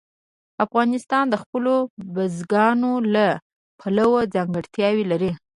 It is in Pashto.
افغانستان د خپلو بزګانو له پلوه ځانګړتیاوې لري.